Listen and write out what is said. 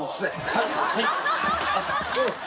はい。